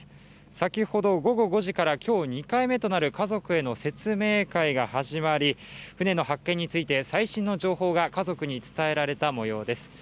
先ほど午後５時から今日２回目となる家族への説明会が始まり、船の発見について最新の情報が家族に伝えられたもようです。